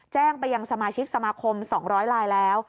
แจ้งไปยังสมาชิกสมาคม๒๐๐ลายแล้ว